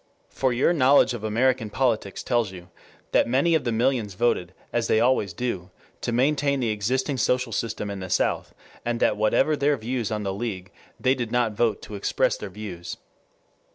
For your knowledge of American politics tells you that many of the millions voted, as they always do, to maintain the existing social system in the South, and that whatever their views on the League, they did not vote to express their views.